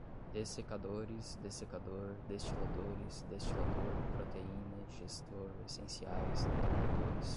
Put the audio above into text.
dessecadores, dessecador, destiladores, destilador, proteína, digestor, essenciais, determinadores